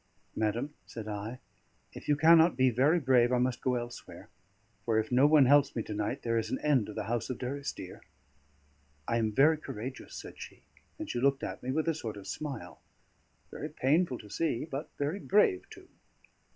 "Madam," said I, "if you cannot be very brave, I must go elsewhere; for if no one helps me to night, there is an end of the house of Durrisdeer." "I am very courageous," said she; and she looked at me with a sort of smile, very painful to see, but very brave too.